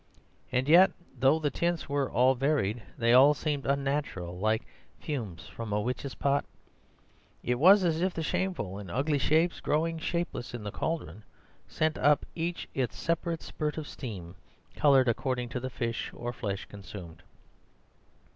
And yet, though the tints were all varied, they all seemed unnatural, like fumes from a witch's pot. It was as if the shameful and ugly shapes growing shapeless in the cauldron sent up each its separate spurt of steam, coloured according to the fish or flesh consumed.